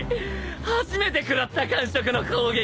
初めて食らった感触の攻撃だ。